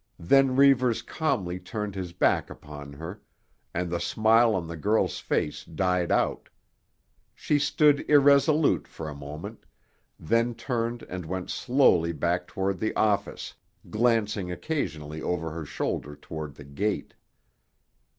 Then Reivers calmly turned his back upon her, and the smile on the girl's face died out. She stood irresolute for a moment, then turned and went slowly back toward the office, glancing occasionally over her shoulder toward the gate.